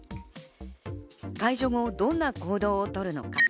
解除後どんな行動をとるのか。